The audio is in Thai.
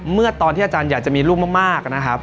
เมื่อตอนที่อาจารย์อยากจะมีลูกมากนะครับ